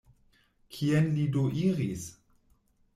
Kien li do iris?